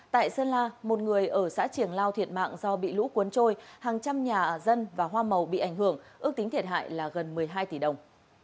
tại sơn la một người ở xã triển lao thiệt mạng do bị lũ cuốn trôi hàng trăm nhà dân và hoa màu bị ảnh hưởng ước tính thiệt hại là gần một mươi hai tỷ đồng